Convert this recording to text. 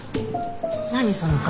何その顔。